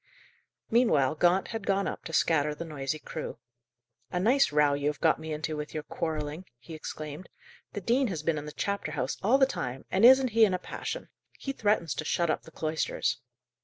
Meanwhile Gaunt had gone up to scatter the noisy crew. "A nice row you have got me into with your quarrelling," he exclaimed. "The dean has been in the chapter house all the time, and isn't he in a passion! He threatens to shut up the cloisters."